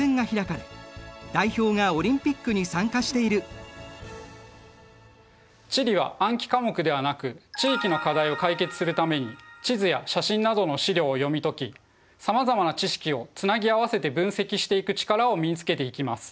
その後も地理は暗記科目ではなく地域の課題を解決するために地図や写真などの資料を読み解きさまざまな知識をつなぎ合わせて分析していく力を身につけていきます。